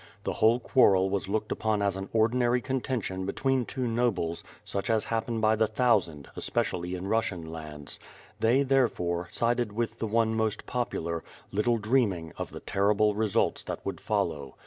The whole quarrel was looked upon as an ordinary contention between two nobles, such as happen by the thousand, especially in Russian lands. They, therefore, sided with the one most popular, little dreaming of the ter rible results that would follow.